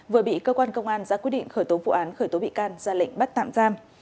vừa bị cơ quan công an ra quyết định khởi tố vụ án khởi tố bị can ra lệnh bắt tạm giam